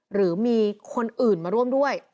หรือมีคนอื่นมาร่วมด้วย